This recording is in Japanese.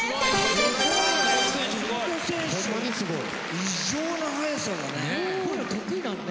異常な早さだね。